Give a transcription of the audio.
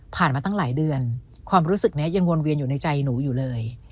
มาตั้งหลายเดือนความรู้สึกนี้ยังวนเวียนอยู่ในใจหนูอยู่เลย